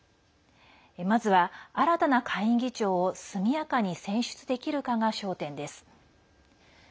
まずは新たな下院議長を速やかに選出できるかが焦点です。